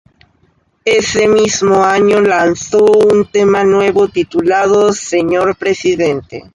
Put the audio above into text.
Ese mismo año lanzó un tema nuevo, titulado "Señor Presidente".